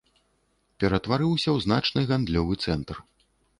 Пераўтварыўся ў значны гандлёвы цэнтр.